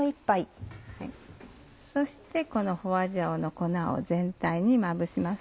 そしてこの花椒の粉を全体にまぶします。